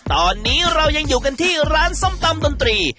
ตอนนี้เรายังอยู่กันที่ร้านส้มตำดนตรี